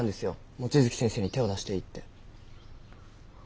望月先生に手を出していいって。